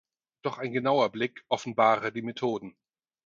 Doch ein genauer Blick offenbare die Methoden.